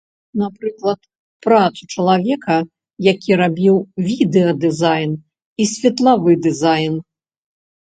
Напрыклад, працу чалавека, які рабіў відэадызайн і светлавы дызайн.